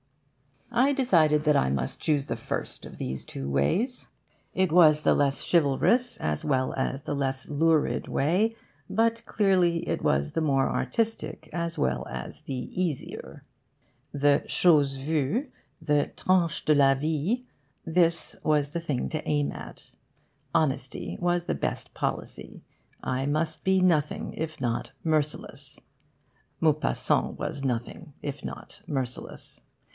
I decided that I must choose the first of these two ways. It was the less chivalrous as well as the less lurid way, but clearly it was the more artistic as well as the easier. The 'chose vue,' the 'tranche de la vie' this was the thing to aim at. Honesty was the best policy. I must be nothing if not merciless. Maupassant was nothing if not merciless.